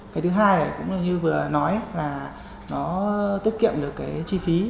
cái thứ hai là cũng như vừa nói là nó tiết kiệm được chi phí